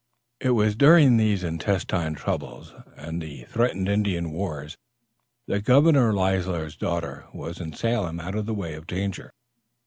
It was during these intestine troubles and the threatened Indian wars, that Governor Leisler's daughter was in Salem out of the way of danger.